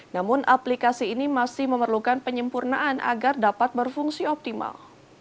namun aplikasi ini masih memerlukan penyempurnaan agar dapat berfungsi optimal